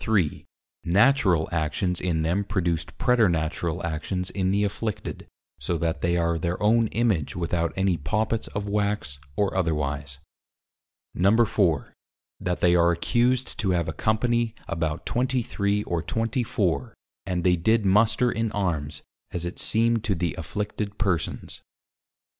Natural Actions in them produced Preternatural actions in the Afflicted, so that they are their own Image without any Poppits of Wax or otherwise. 4. That they are accused to have a Company about 23 or 24 and they did Muster in Armes, as it seemed to the Afflicted Persons. 5.